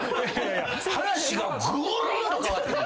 話がぐるっと変わってくる。